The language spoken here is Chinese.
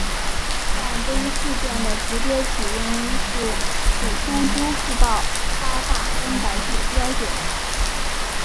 但这一事件的直接起因是楚天都市报夸大增白剂标准。